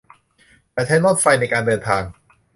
ฉันใช้รถไฟในการเดินทาง